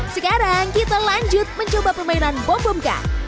sekarang kita lanjut mencoba permainan bom bom kar